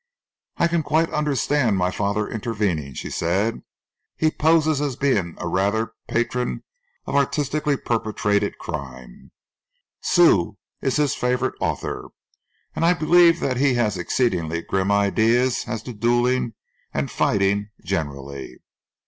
"I can quite understand my father intervening," she said. "He poses as being rather a patron of artistically perpetrated crime. Sue is his favourite author, and I believe that he has exceedingly grim ideas as to duelling and fighting generally.